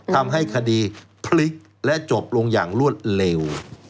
ทำให้คดีพลิกและจบลงอย่างรวดเร็ว